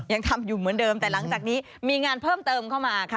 ยังทำอยู่เหมือนเดิมแต่หลังจากนี้มีงานเพิ่มเติมเข้ามาค่ะ